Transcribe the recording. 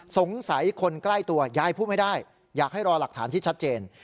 สงสัยคนใกล้ตัวยายพูดไม่ได้อยากให้รอหลักฐานที่ชัดเจน